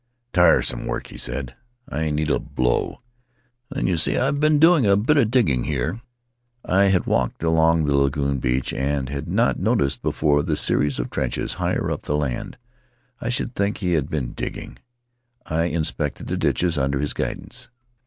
"Tiresome work," he said. "I need a blow." Then, "You see, I've been doing a bit of digging here." I had walked along the lagoon beach and had not noticed before the series of trenches higher up the land. I should think he had been digging! I in spected the ditches under his guidance.